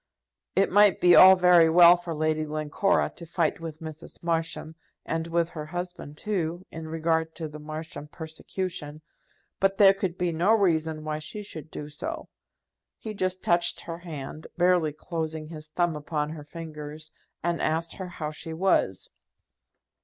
It might be all very well for Lady Glencora to fight with Mrs. Marsham, and with her husband, too, in regard to the Marsham persecution, but there could be no reason why she should do so. He just touched her hand, barely closing his thumb upon her fingers, and asked her how she was.